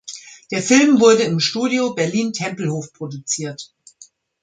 Der Film wurde im Studio Berlin-Tempelhof produziert.